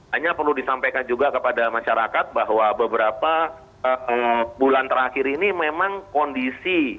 hanya perlu disampaikan juga kepada masyarakat bahwa beberapa bulan terakhir ini memang kondisi